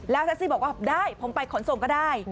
แท็กซี่บอกว่าได้ผมไปขนส่งก็ได้